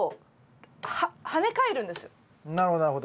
なるほどなるほど。